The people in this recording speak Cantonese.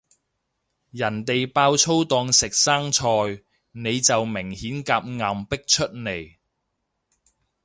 人哋爆粗當食生菜，你就明顯夾硬逼出嚟